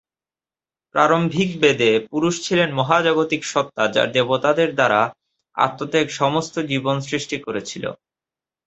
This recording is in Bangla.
প্রারম্ভিক বেদে, পুরুষ ছিলেন মহাজাগতিক সত্তা যার দেবতাদের দ্বারা আত্মত্যাগ সমস্ত জীবন সৃষ্টি করেছিল।